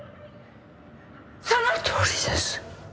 そのとおりです。